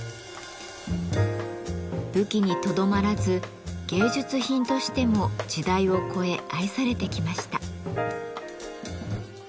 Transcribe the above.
武器にとどまらず芸術品としても時代を越え愛されてきました。